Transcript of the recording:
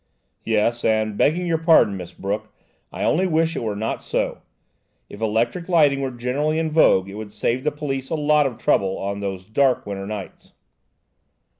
"Yes; and, begging your pardon, Miss Brooke, I only wish it were not so. If electric lighting were generally in vogue it would save the police a lot of trouble on these dark winter nights."